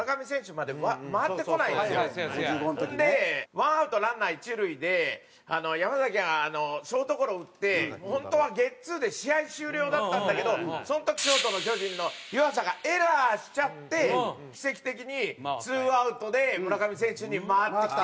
１アウトランナー一塁で山崎がショートゴロ打って本当はゲッツーで試合終了だったんだけどその時ショートの巨人の湯浅がエラーしちゃって奇跡的に２アウトで村上選手に回ってきた。